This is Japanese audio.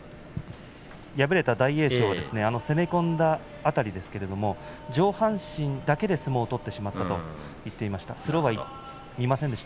敗れた大栄翔は攻め込んだ辺りですけれども上半身だけで相撲を取ってしまったと言っていました。